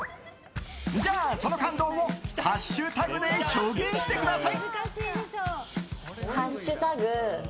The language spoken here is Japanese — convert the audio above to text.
じゃあ、その感動をハッシュタグで表現してください。